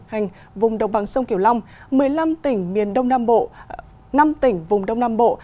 thành vùng đồng bằng sông kiểu long một mươi năm tỉnh miền đông nam bộ năm tỉnh vùng đông nam bộ